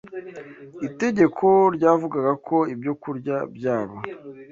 Itegeko ryavugaga ko ibyokurya byabo